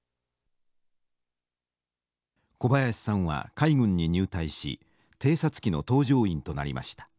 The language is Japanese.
小林さんは海軍に入隊し偵察機の搭乗員となりました。